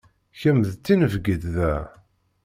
Kemm d tinebgit da.